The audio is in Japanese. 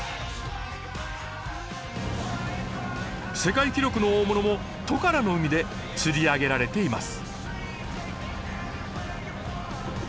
世界記録の大物もトカラの海で釣り上げられています。